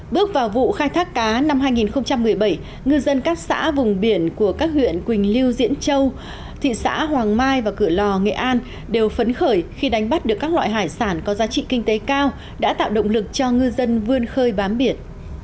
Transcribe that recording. bước vào vụ khai thác cá năm hai nghìn một mươi bảy ngư dân các xã vùng biển của các huyện quỳnh lưu diễn châu thị xã hoàng mai và cửa lò nghệ an đều phấn khởi khi đánh bắt được các loại hải sản có giá trị kinh tế cao đã tạo động lực cho ngư dân vươn khơi bám biển